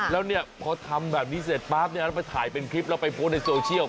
แล้วเนี่ยพอทำแบบนี้เสร็จปั๊บไปถ่ายเป็นคลิปแล้วไปโพสต์ในโซเชียล